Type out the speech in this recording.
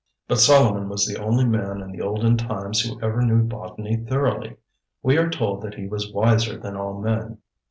But Solomon was the only man in the olden times who ever knew botany thoroughly. We are told that he was wiser than all men.